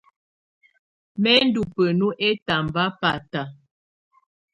Mɛ́ ndɔ́ bǝ́nu ɛtamba báta.